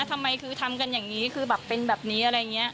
ทำไมคือทำกันอย่างนี้คือแบบเป็นแบบนี้อะไรอย่างนี้